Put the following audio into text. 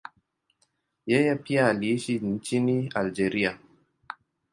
Yeye pia aliishi nchini Algeria.